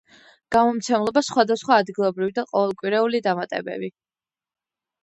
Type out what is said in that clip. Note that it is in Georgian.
გამომცემლობა სხვადასხვა ადგილობრივი და ყოველკვირეული დამატებები.